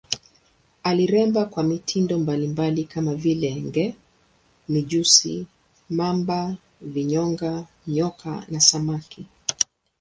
Aliremba kwa mitindo mbalimbali kama vile nge, mijusi, mamba, vinyonga, nyoka na samaki.